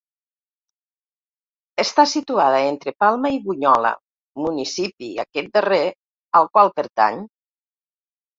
Està situada entre Palma i Bunyola, municipi, aquest darrer, al qual pertany.